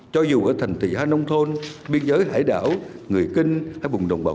cho dù ở thành tỷ hay nông thôn biên giới hải đảo người kinh hay bùng đồng bào